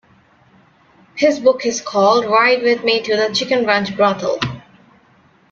His book is called, Ride With Me To The Chicken Ranch Brothel.